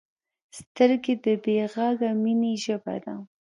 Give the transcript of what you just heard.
سترګې د بې غږه مینې ژبه ده